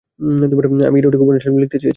আমি ইরোটিক উপন্যাস লিখতে চেয়েছিলাম।